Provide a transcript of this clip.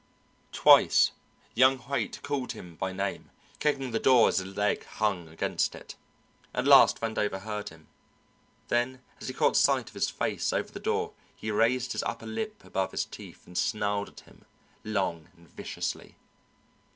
Twice young Haight called him by name, kicking the door as his leg hung against it. At last Vandover heard him. Then as he caught sight of his face over the door he raised his upper lip above his teeth and snarled at him, long and viciously.